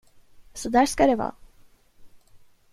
Så där ska det vara!